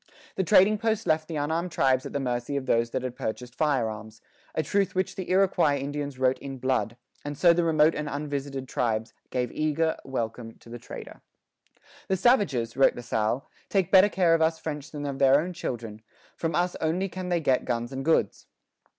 The trading post left the unarmed tribes at the mercy of those that had purchased fire arms a truth which the Iroquois Indians wrote in blood, and so the remote and unvisited tribes gave eager welcome to the trader. "The savages," wrote La Salle, "take better care of us French than of their own children; from us only can they get guns and goods."